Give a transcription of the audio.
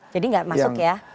jadi gak masuk ya